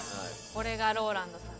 これがＲＯＬＡＮＤさん。